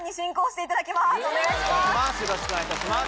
お願いします。